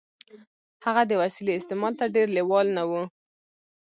هغه د وسيلې استعمال ته ډېر لېوال نه و.